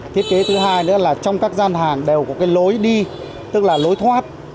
thiết kế thứ hai nữa là trong các gian hàng đều có cái lối đi tức là lối thoát